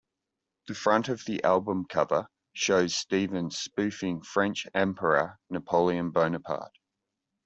The front of the album cover shows Stevens spoofing French emperor Napoleon Bonaparte.